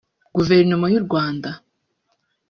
Guverinoma y’u Rwanda